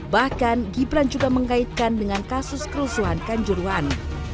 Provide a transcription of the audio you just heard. bahkan gibran juga mengaitkan dengan kasus kerusuhan kanjuruan